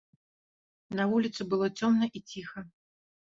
На вуліцы было цёмна і ціха.